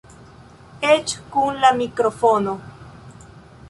Eĉ kun la mikrofono.